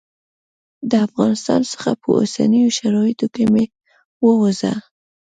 د افغانستان څخه په اوسنیو شرایطو کې مه ووزه.